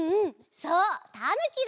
そうたぬきだよ！